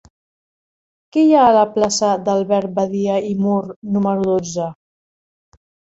Què hi ha a la plaça d'Albert Badia i Mur número dotze?